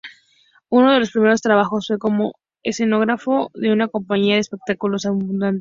Uno de sus primeros trabajos fue como escenógrafo de una compañía de espectáculos ambulante.